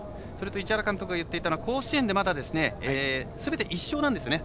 市原監督が言っていたのは甲子園で、まだすべて１勝なんですよね